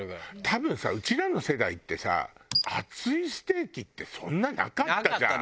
多分さうちらの世代ってさ厚いステーキってそんななかったじゃん。